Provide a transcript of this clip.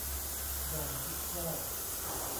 อย่างผิดพลาด